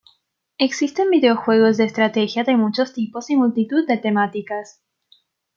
Existen videojuegos de estrategia de muchos tipos y multitud de temáticas.